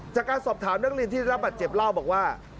จากการสอบถามนักเรียนที่รับบัตรเจ็บเล่าบอกว่า